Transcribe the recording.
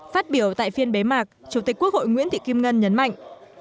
phát biểu tại phiên bế mạc chủ tịch quốc hội nguyễn thị kim ngân nhấn mạnh